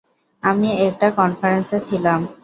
আমি একটা কনফারেন্সে ছিলাম।